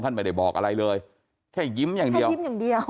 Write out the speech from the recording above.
ไม่ได้บอกอะไรเลยแค่ยิ้มอย่างเดียวยิ้มอย่างเดียว